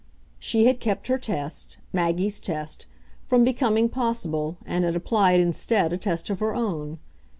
She had kept her test, Maggie's test, from becoming possible, and had applied instead a test of her own.